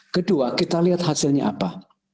kedua kita lihat hasilnya apa